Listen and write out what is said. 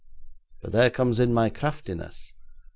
But there comes in my craftiness.